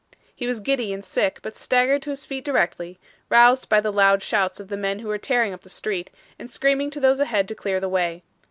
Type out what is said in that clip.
He was giddy and sick, but staggered to his feet directly, roused by the loud shouts of the men who were tearing up the street, and screaming to those ahead to clear the way.